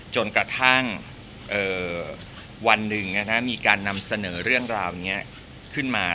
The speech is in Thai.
จนกระทั่งวันหนึ่งมีการนำเสนอเรื่องราวนี้ขึ้นมา